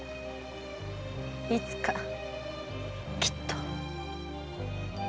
いつかきっと。